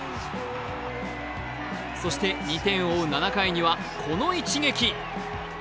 そして、２点を追う７回にはこの一撃！